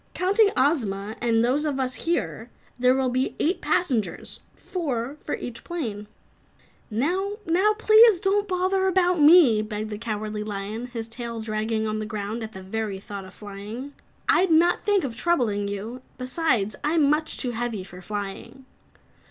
"Counting Ozma and those of us here, there will be eight passengers four for each plane." "Now please don't bother about me!" begged the Cowardly Lion, his tail dragging on the ground at the very thought of flying. "I'd not think of troubling you. Besides, I'm much too heavy for flying."